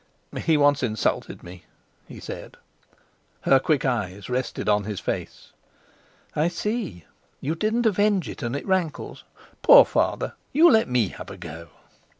"He once insulted me," he said. Her quick eyes rested on his face. "I see! You didn't avenge it, and it rankles. Poor Father! You let me have a go!"